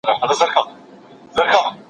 اسلام د توبې دروازه پر هر چا پرانیستې ده.